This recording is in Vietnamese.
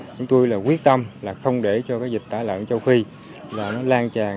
chúng tôi là quyết tâm là không để cho dịch tả lợn châu phi lan tràn